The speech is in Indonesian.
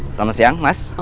selamat siang mas